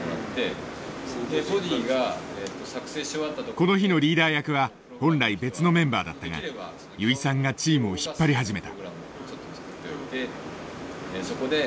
この日のリーダー役は本来別のメンバーだったが油井さんがチームを引っ張り始めた。